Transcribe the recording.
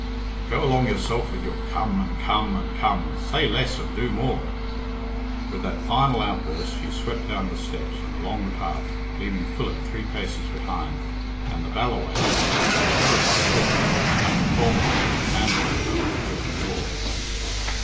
"Go along yourself with your 'come' and 'come' and 'come.' Say less and do more." With that final outburst she swept down the steps and along the path, leaving Philip three paces behind, and the Ballawhaine with a terrified look under the stuffed cormorant in the fanlight above the open door.